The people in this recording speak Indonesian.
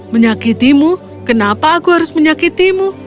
menyakitimu kenapa aku harus menyakitimu